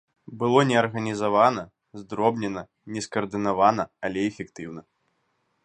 Было неарганізавана, здробнена, нескаардынавана, але эфектыўна.